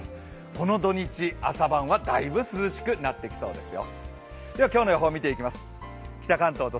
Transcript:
この土日、朝晩はだいぶ涼しくなってきそうですよ。